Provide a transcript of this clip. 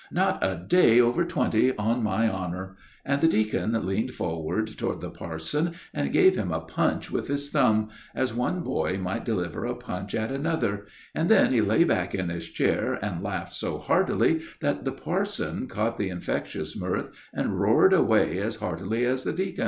"Not a day over twenty, on my honor," and the deacon leaned forward toward the parson, and gave him a punch with his thumb, as one boy might deliver a punch at another, and then he lay back in his chair and laughed so heartily that the parson caught the infectious mirth and roared away as heartily as himself.